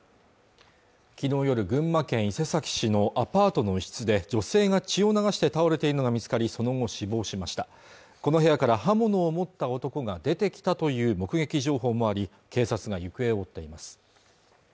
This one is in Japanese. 昨日夜、群馬県伊勢崎市のアパートの一室で女性が血を流して倒れているのが見つかりその後死亡しましたこの部屋から刃物を持った男が出てきたという目撃情報もあり警察が行方を追っています